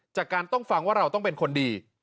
จากการต้องฟังว่าเราต้องเป็นคนดี